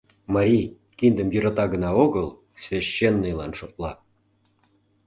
Марий киндым йӧрата гына огыл, священныйлан шотла.